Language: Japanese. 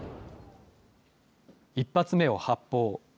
１発目を発砲。